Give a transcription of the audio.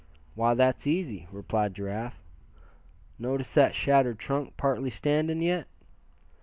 "Why, that's easy," replied Giraffe. "Notice that shattered trunk partly standing yet?